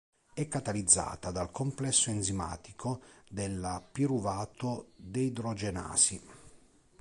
È catalizzata dal complesso enzimatico della piruvato deidrogenasi.